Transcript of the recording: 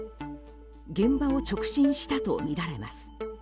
現場を直進したとみられます。